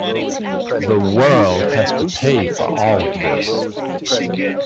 The world has to pay for all of this.